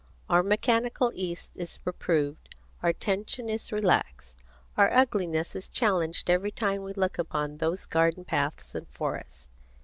Our mechanical East is reproved, our tension is relaxed, our ugliness is challenged every time we look upon those garden paths and forests.